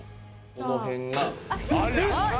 この辺が。